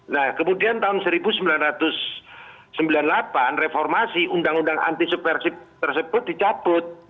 nah kemudian tahun seribu sembilan ratus sembilan puluh delapan reformasi undang undang anti subversif tersebut dicabut